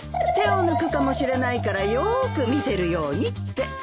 手を抜くかもしれないからよく見てるようにって。